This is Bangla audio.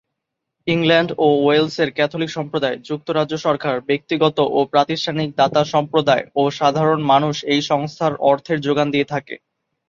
ইংল্যান্ড ও ওয়েলসের ক্যাথলিক সম্প্রদায়, যুক্তরাজ্য সরকার, ব্যক্তিগত ও প্রাতিষ্ঠানিক দাতাসম্প্রদায় ও সাধারণ মানুষ এই সংস্থার অর্থের যোগান দিয়ে থাকে।